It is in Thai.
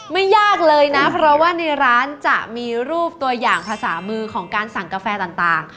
ไม่ยากเลยนะเพราะว่าในร้านจะมีรูปตัวอย่างภาษามือของการสั่งกาแฟต่าง